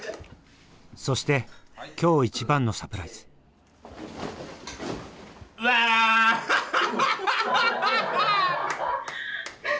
そして今日一番のサプライズ！わアハハハハ！